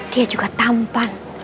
dia juga tampan